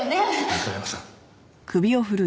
中山さん。